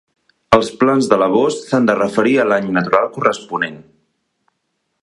Els Plans de labors s'han de referir a l'any natural corresponent.